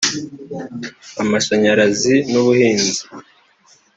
amashanyarazi n’ubuhinzi